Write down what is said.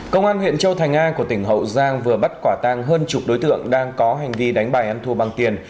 công an huyện châu thành a của tỉnh hậu giang vừa bắt quả tang hơn chục đối tượng đang có hành vi đánh bài ăn thua bằng tiền